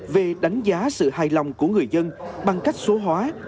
về đánh giá sự hài lòng của người dân bằng cách số hóa